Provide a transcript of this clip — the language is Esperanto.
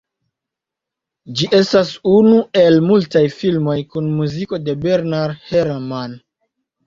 Ĝi estas unu el multaj filmoj kun muziko de Bernard Herrmann.